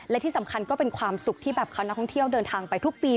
และที่สำคัญก็เป็นความสุขที่แบบเขานักท่องเที่ยวเดินทางไปทุกปี